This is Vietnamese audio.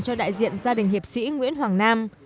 cho đại diện gia đình hiệp sĩ nguyễn hoàng nam